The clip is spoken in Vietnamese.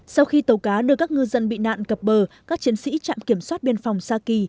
sau khi tàu cá đưa các ngư dân bị nạn cập bờ các chiến sĩ trạm kiểm soát biên phòng sa kỳ